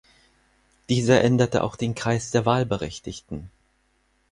Dieser änderte auch den Kreis der Wahlberechtigten.